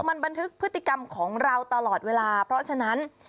มันบันทึกพฤติกรรมของเราตลอดเวลาเพราะฉะนั้น